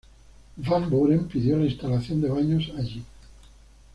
Van Buren pidió la instalación de baños allí.